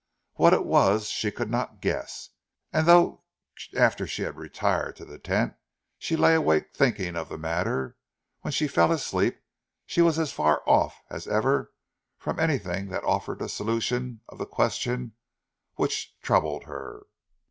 What it was she could not guess, and though after she had retired to the tent she lay awake thinking of the matter, when she fell asleep she was as far off as ever from anything that offered a solution of the question which troubled her.